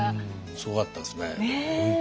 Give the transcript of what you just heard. すごかったですね本当。